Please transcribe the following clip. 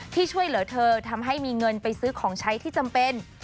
ที่ช่วยเหลือเธอทำให้มีเงินไปซื้อของใช้ที่จำเป็น